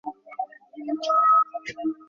দলে তিনি মূলতঃ লেগ ব্রেক গুগলি বোলার ছিলেন।